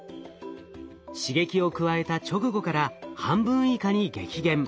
刺激を加えた直後から半分以下に激減。